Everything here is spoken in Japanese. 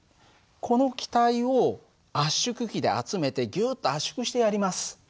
この気体を圧縮機で集めてギュッと圧縮してやります。